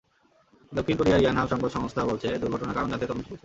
দক্ষিণ কোরিয়ার ইয়ানহাপ সংবাদ সংস্থা বলছে, দুর্ঘটনার কারণ জানতে তদন্ত চলছে।